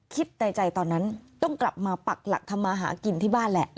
คิดในใจตอนนั้นต้องกลับมาปักหลักทำมาหากินที่บ้านแหละ